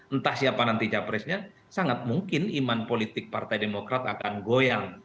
entah siapa nanti capresnya sangat mungkin iman politik partai demokrat akan goyang